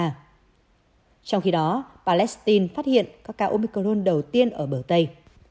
trong khi đó palestine phát hiện các ca omicron đầu tiên ở bờ tây